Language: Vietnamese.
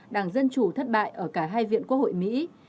đảng dân chủ thất bại ở cả hai viện quốc hội mỹ